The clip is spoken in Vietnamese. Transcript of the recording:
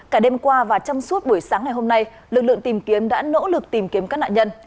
cả đêm qua và trong suốt buổi sáng ngày hôm nay lực lượng tìm kiếm đã nỗ lực tìm kiếm các nạn nhân